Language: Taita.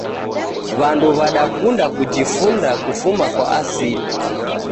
Wandu wadakunda kujifunda kufuma kwa asili.